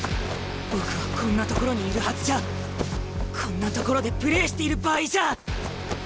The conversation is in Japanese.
僕はこんなところにいるはずじゃこんなところでプレーしている場合じゃないんだ！